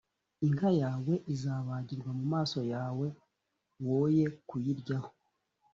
inka yawe izabagirwa mu maso yawe, woye kuyiryaho;